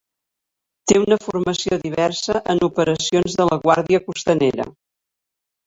Té una formació diversa en operacions de la guàrdia costanera.